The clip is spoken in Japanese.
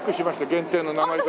限定の名前と。